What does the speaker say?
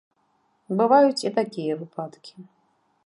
Бываюць і такія выпадкі.